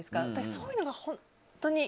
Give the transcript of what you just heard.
そういうのが本当に。